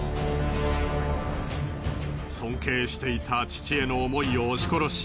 尊敬していた父への思いを押し殺し